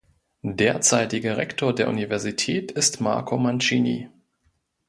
Derzeitiger Rektor der Universität ist Marco Mancini.